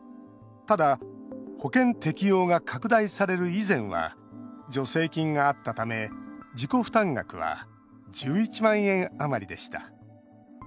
ただ、保険適用が拡大される以前は助成金があったため自己負担額は１１万円余りでした。